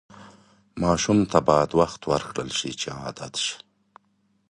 ماشوم ته باید وخت ورکړل شي چې عادت شي.